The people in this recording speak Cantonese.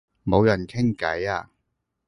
冇人傾偈啊